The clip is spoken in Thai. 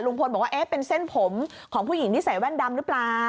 บอกว่าเอ๊ะเป็นเส้นผมของผู้หญิงที่ใส่แว่นดำหรือเปล่า